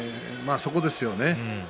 そこですよね。